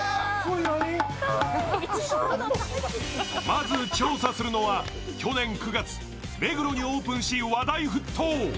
まず調査するのは去年９月に目黒にオープンし、話題沸騰。